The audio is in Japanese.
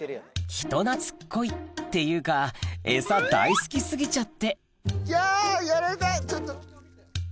人懐っこいっていうかエサ大好き過ぎちゃってやぁ！